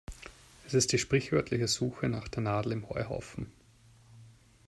Es ist die sprichwörtliche Suche nach der Nadel im Heuhaufen.